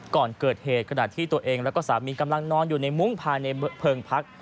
ก่อนเกิดเหตุขณะที่ตัวเองแล้วก็สามีกำลังนอนอยู่ในมุ้งภายในเพลิงพัก